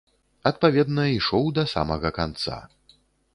Адпаведна, ішоў да самага канца.